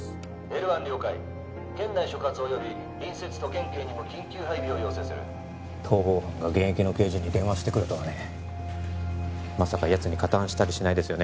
Ｌ１了解県内所轄および隣接都県警にも緊急配備を要請する逃亡犯が現役の刑事に電話してくるとはねまさかやつに加担したりしないですよね？